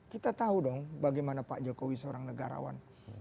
kita tahu dong bagaimana pak jokowi seorang negarawan